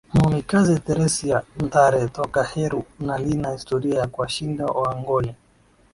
mwamikazi theresia ntare toka heru na lina historia ya kuwashinda wangoni